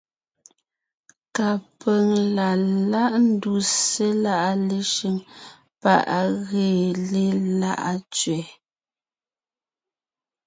Kapʉ̀ŋ la láʼ ńduse láʼa Leshʉŋ pá ʼ á gee né Láʼa tsẅɛ.